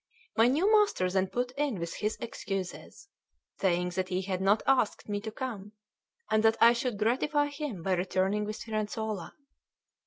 My new master then put in with his excuses, saying that he had not asked me to come, and that I should gratify him by returning with Firenzuola.